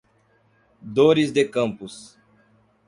Dores de Campos